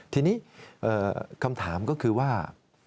ทีนี้คำถามก็คือว่า